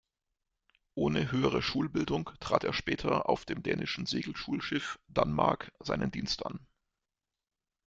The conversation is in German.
Ohne höhere Schulbildung trat er später auf dem dänischen Segelschulschiff "Danmark" seinen Dienst an.